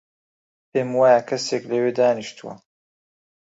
پێم وایە کەسێک لەوێ دانیشتووە.